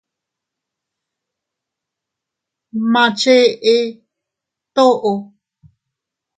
Ma cheʼe toʼo.